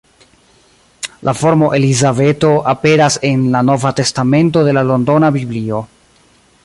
La formo Elizabeto aperas en la Nova testamento de la Londona Biblio.